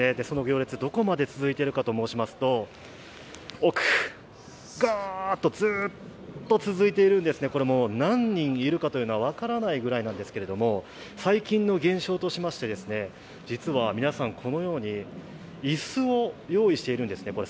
その行列、どこまで続いているかと申しますと奥、ずーっと続いているんですね、何人いるかというのが分からないくらいなんですけれども、最近の現象としまして実は皆さん、このように椅子を用意しているんですね。